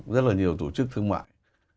rất là nhiều tổ chức thương mại